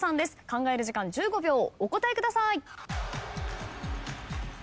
考える時間１５秒お答えください。